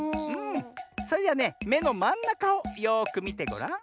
それではねめのまんなかをよくみてごらん。